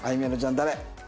誰？